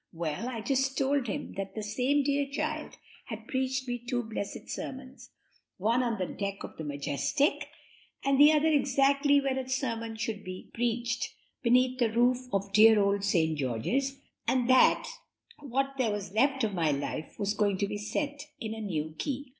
Well, I just, told him that that same dear child had preached me two blessed sermons one on the deck of the Majestic and the other exactly where a sermon should be preached, beneath the roof of dear old St. George's, and that what there was left of my life was going to be set in a new key."